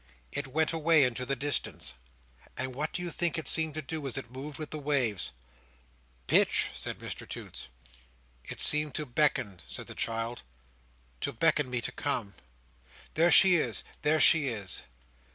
It went away into the distance, and what do you think it seemed to do as it moved with the waves?" "Pitch," said Mr Toots. "It seemed to beckon," said the child, "to beckon me to come!—There she is! There she is!"